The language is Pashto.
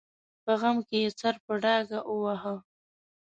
په غم کې یې سر په ډاګ وواهه.